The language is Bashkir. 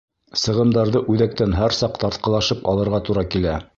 Сығымдарҙы Үҙәктән һәр саҡ тартҡылашып алырға тура килә.